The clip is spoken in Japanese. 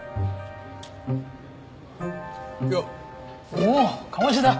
おお鴨志田。